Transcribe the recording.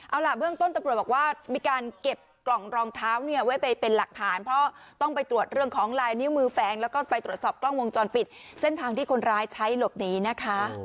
เอาล่ะเบื้องต้นตำรวจบอกว่ามีการเก็บกล่องรองเท้าเนี่ยไว้ไปเป็นหลักฐานเพราะต้องไปตรวจเรื่องของลายนิ้วมือแฟ้งแล้วก็ไปตรวจสอบกล้องวงจรปิดเส้นทางที่คนร้ายใช้หลบหนีนะคะ